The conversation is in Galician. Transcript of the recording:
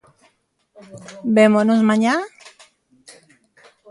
Vémonos mañá?